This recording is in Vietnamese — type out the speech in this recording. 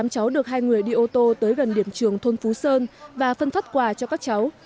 tám cháu được hai người đi ô tô tới gần điểm trường thôn phú sơn và phân phát quà cho các cháu